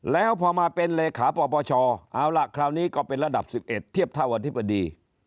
แล้วพอมาเป็นเลขาปปชเอาล่ะคราวนี้ก็เป็นระดับ๑๑เทียบเท่าอธิบดี